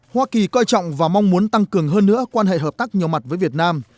hoa kỳ coi trọng và mong muốn tăng cường hơn nữa quan hệ hợp tác nhiều mặt với việt nam